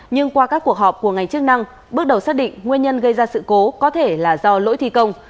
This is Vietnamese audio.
nhưng qua các cuộc họp của ngành chức năng bước đầu xác định nguyên nhân gây ra sự cố có thể là do lỗi thi công